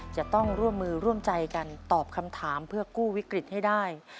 จะต้องร่วมมือร่วมใจกันตอบคำถามเพื่อกู้วิกฤตให้ได้